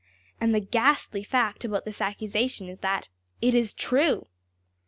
And the ghastly fact about this accusation is that \emph{it is true!